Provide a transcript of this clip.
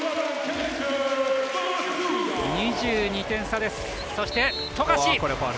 ２２点差です。